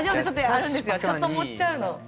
ちょっと盛っちゃうの。